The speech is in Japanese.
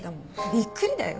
びっくりだよ。